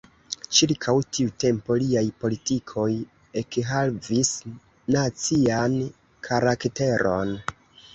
Ĉirkaŭ tiu tempo liaj politikoj ekhavis nacian karakteron.